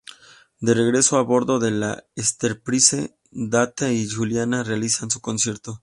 De regreso a bordo de la "Enterprise", Data y Juliana realizan su concierto.